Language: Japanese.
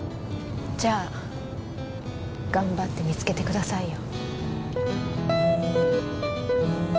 じゃあ頑張って見つけてくださいよ。